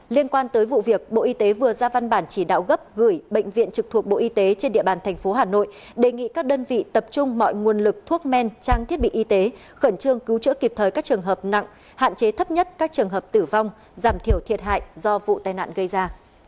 liên quan tới vụ việc bộ y tế vừa ra văn bản chỉ đạo gấp gửi bệnh viện trực thuộc bộ y tế trên địa bàn thành phố hà nội đề nghị các đơn vị tập trung mọi nguồn lực thuốc men trang thiết bị y tế khẩn trương cứu chữa kịp thời các trường hợp nặng hạn chế thấp nhất các trường hợp tử vong giảm thiểu thiệt hại do vụ tai nạn gây ra